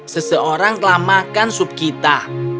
seseorang telah makan sup kita